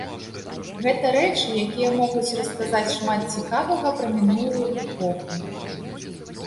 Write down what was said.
Гэта рэчы, якія могуць расказаць шмат цікавага пра мінулую эпоху.